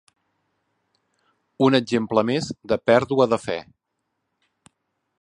Un exemple més de pèrdua de fe.